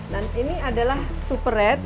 dan ini adalah super red